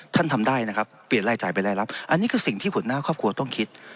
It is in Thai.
ทำได้นะครับเปลี่ยนรายจ่ายไปรายรับอันนี้คือสิ่งที่หัวหน้าครอบครัวต้องคิด